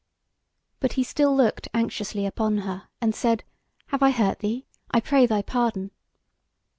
But he still looked anxiously upon her and said: "Have I hurt thee? I pray thy pardon."